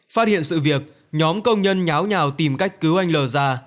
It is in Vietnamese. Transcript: phát hiện sự việc nhóm công nhân nháo nhào tìm cách cứu anh lờ già